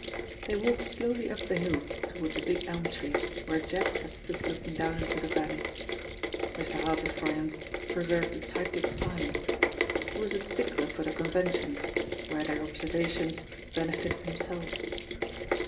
They walked slowly up the hill toward the big elm tree where Jack and stood looking down into the valley. Mr. Harvey Froyant preserved a tight lipped silence. He was a stickler for the conventions, where their observations benefited himself.